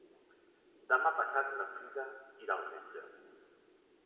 Demà passat na Frida irà al metge.